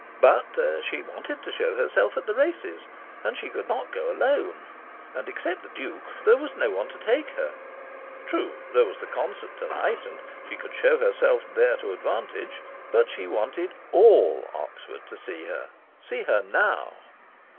But she wanted to show herself at the races. And she could not go alone. And except the Duke there was no one to take her. True, there was the concert to night; and she could show herself there to advantage; but she wanted ALL Oxford to see her see her NOW.